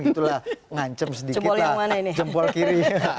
gitu lah ngancem sedikit lah jempol kiri